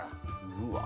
うわ。